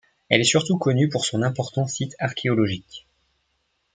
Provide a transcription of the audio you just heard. Elle est surtout connue pour son important site archéologique.